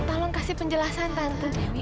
tolong kasih penjelasan tante